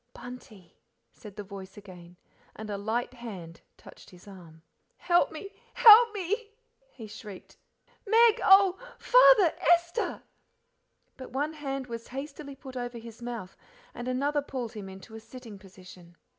"Bunty," said the voice again, and a light hand touched his arm. "Help me HELP me!" he shrieked. "Meg oh! Father Esther!" But one hand was hastily put over his mouth and another pulled him into a sitting position.